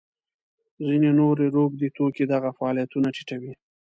ځینې نور روږدي توکي دغه فعالیتونه ټیټوي.